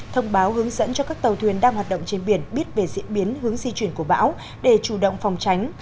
thông báo hướng dẫn cho các tàu thuyền đang hoạt động trên biển biết về diễn biến hướng di chuyển của bão để chủ động phòng tránh